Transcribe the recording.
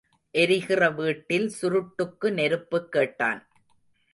எரிகிற வீட்டில் சுருட்டுக்கு நெருப்புக் கேட்டான்.